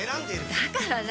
だから何？